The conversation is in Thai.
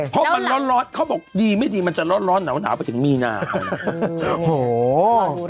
เพราะมันร้อนเขาบอกดีไม่ดีมันจะร้อนหนาวไปถึงมีนา